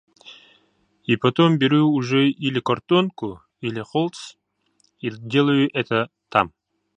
И потом беру уже или картонку, или холст, и делаю это там.